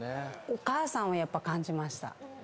お母さんをやっぱ感じました。